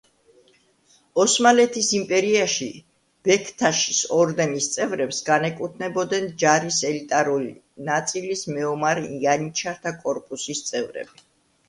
ოსმალეთის იმპერიაში ბექთაშის ორდენის წევრებს განეკუთვნებოდნენ ჯარის ელიტარული ნაწილის მეომარ იანიჩართა კორპუსის წევრები.